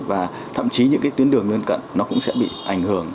và thậm chí những cái tuyến đường lân cận nó cũng sẽ bị ảnh hưởng